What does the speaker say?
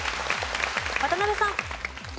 渡辺さん。